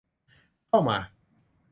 เข้ามา